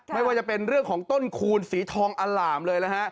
ไม่ว่าจะเป็นเรื่องของต้นคูณสีทองอล่ามเลยนะฮะ